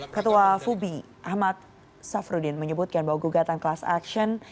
ketua fubi ahmad safrudin menyebutkan bahwa gugatan kelas aksion